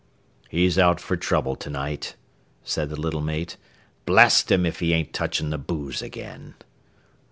"He's out for trouble to night," said the little mate. "Blast him if he ain't touching the boose again."